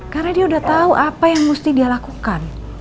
karena dia udah tau apa yang mesti dia lakukan